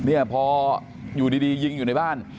เนี่ยพออยู่ดียิงอยู่ในบ้าน